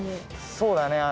そうだね。